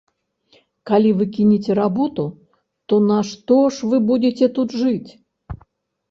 Калі вы кінеце работу, то на што ж вы будзеце тут жыць?